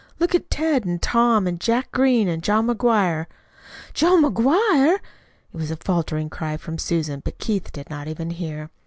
Look at Ted, and Tom, and Jack Green, and John McGuire!" "John McGuire!" It was a faltering cry from Susan, but Keith did not even hear.